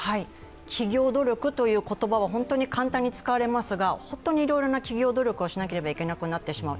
企業努力という言葉は簡単に使われますが、本当にいろいろな企業努力しなければいけなくなってしまう。